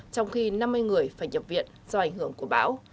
trong khi năm mươi người phải nhập viện do ảnh hưởng của bão